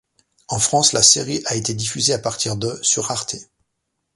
En France, la série a été diffusée à partir de sur Arte.